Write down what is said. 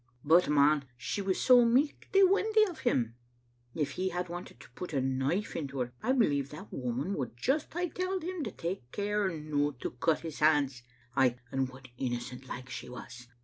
" But, man, she was so michty windy o* him. If he had wanted to put a knife into her, I believe that woman would just hae telled him to take care no to cut his hands. Ay, and what innocent like she was!